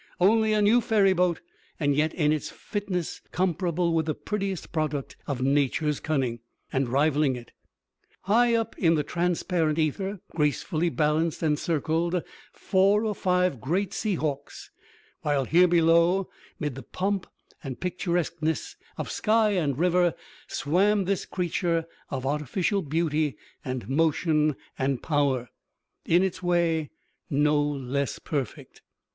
Only a new ferryboat, and yet in its fitness comparable with the prettiest product of Nature's cunning, and rivaling it. High up in the transparent ether gracefully balanced and circled four or five great sea hawks, while here below, mid the pomp and picturesqueness of sky and river, swam this creature of artificial beauty and motion and power, in its way no less perfect."